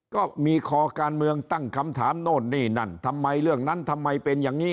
ก็มีคอการเมืองตั้งคำถามโน่นนี่นั่นทำไมเรื่องนั้นทำไมเป็นอย่างนี้